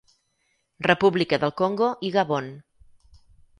República del Congo i Gabon.